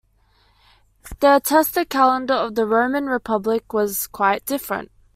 The attested calendar of the Roman Republic was quite different.